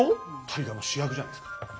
大河の主役じゃないですか。